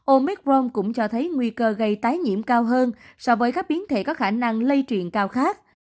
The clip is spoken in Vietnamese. omicron cũng cho thấy nguy cơ gây tái nhiễm cao hơn so với các biến thể có khả năng lây truyền cao khác